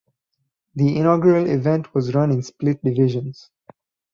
The inaugural event was run in split divisions.